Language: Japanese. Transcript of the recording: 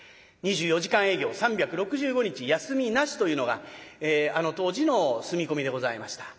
２４時間営業３６５日休みなしというのがあの当時の住み込みでございました。